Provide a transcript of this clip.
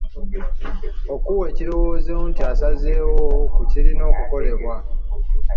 Okuwa ekirowoozo tekitegeeza nti osazeewo ku kirina okukolebwa.